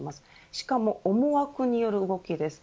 しかも、思惑による動きです。